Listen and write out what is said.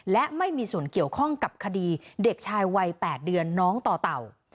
และไม่มีส่วนเกี่ยวข้องกับคดีเด็กชายวัย๘เดือนน้องต่อเต่า